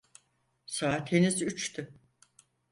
Saat henüz üçtü.